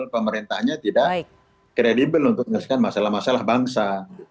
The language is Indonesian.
pemerintahnya tidak kredibel untuk menyelesaikan masalah masalah bangsa